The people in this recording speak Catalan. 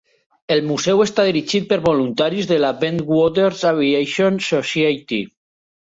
El museu està dirigit per voluntaris de la "Bentwaters Aviation Society".